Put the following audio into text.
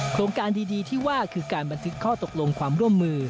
การดีที่ว่าคือการบันทึกข้อตกลงความร่วมมือ